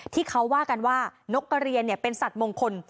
ที่เขาว่ากันว่านกกระเรียนเป็นสัตว์มงคล